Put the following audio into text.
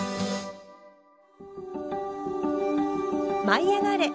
「舞いあがれ！」